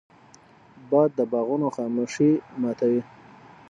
باد د باغونو خاموشي ماتوي